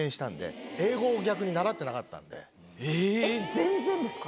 全然ですか？